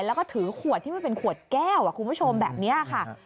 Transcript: แล้วก็ถือขวดที่มันเป็นขวดแก้วคุณผู้ชมแบบนี้ค่ะ